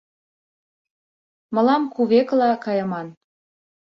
— Мылам кувекыла кайыман?